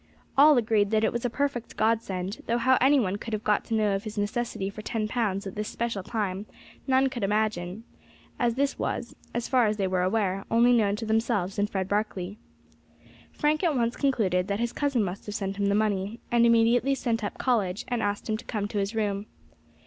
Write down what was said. All agreed that it was a perfect Godsend, though how any one could have got to know of his necessity for ten pounds at this special time none could imagine, as this was, as far as they were aware, known only to themselves and Fred Barkley. Frank at once concluded that his cousin must have sent him the money, and immediately sent up College and asked him to come to his room.